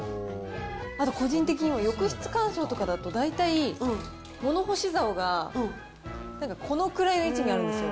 あと個人的には浴室乾燥だと、大体、物干しざおがなんか、このくらいの位置にあるんですよ。